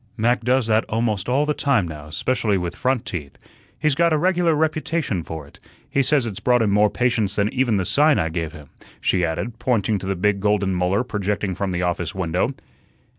Mac does that almost all the time now, 'specially with front teeth. He's got a regular reputation for it. He says it's brought him more patients than even the sign I gave him," she added, pointing to the big golden molar projecting from the office window.